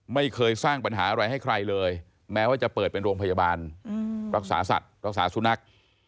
ไม่เคยสร้างปัญหาอะไรให้ใครเลยแม้ว่าจะเปิดเป็นโรงพยาบาลรักษาสัตว์รักษาสุนัข